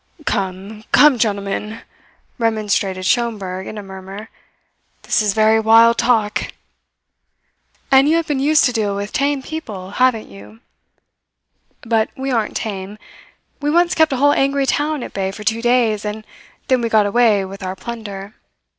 "Come, come gentlemen," remonstrated Schomberg, in a murmur. "This is very wild talk!" "And you have been used to deal with tame people, haven't you? But we aren't tame. We once kept a whole angry town at bay for two days, and then we got away with our plunder.